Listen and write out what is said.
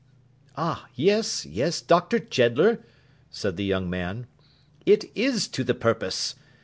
'Ah! yes, yes, Dr. Jeddler,' said the young man. 'It is to the purpose.